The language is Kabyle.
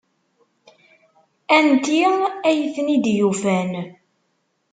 Anti ay ten-id-yufan?